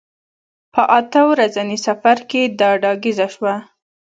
په اته ورځني سفر کې دا ډاګیزه شوه.